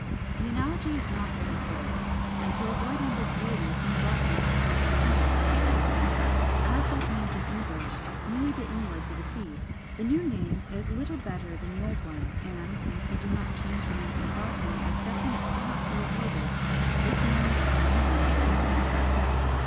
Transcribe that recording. The analogy is not very good; and to avoid ambiguity some botanists call it the ENDOSPERM. As that means in English merely the inwards of a seed, the new name is little better than the old one; and, since we do not change names in botany except when it cannot be avoided, this name of albumen is generally kept up.